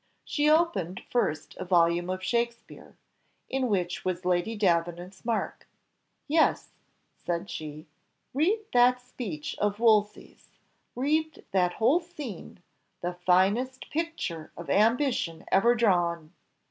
She opened first a volume of Shakspeare, in which was Lady Davenant's mark. "Yes," said she, "read that speech of Wolsey's; read that whole scene, the finest picture of ambition ever drawn."